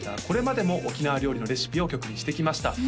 これまでも沖縄料理のレシピを曲にしてきました